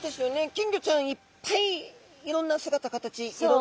金魚ちゃんいっぱいいろんな姿形色。